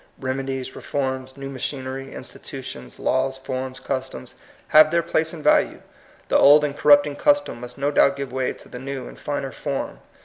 Remedies, reforms, new machinery, institu tions, laws, forms, customs, have their place and value. The old and corrupting custom must no doubt give way to the new and finer form.